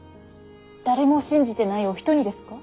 誰も信じてないお人にですか。